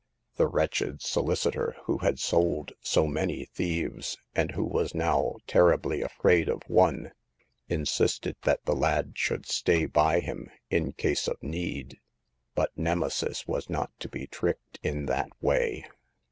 The wretched solicitor, who had sold so many thieves, and who was now terribly afraid of one, insisted that the lad should stay by him, in case of need. But Nemesis was not to be tricked in that way.